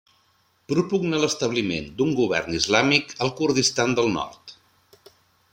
Propugna l'establiment d'un govern islàmic al Kurdistan del Nord.